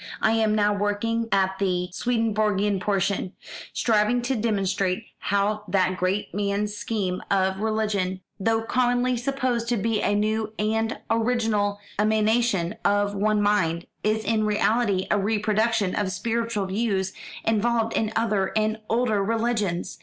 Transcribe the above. I am now working at the Swedenborgian portion, striving to demonstrate how that great man's scheme of religion, though commonly supposed to be a new and original emanation of one mind, is in reality a reproduction of spiritual views involved in other and older religions.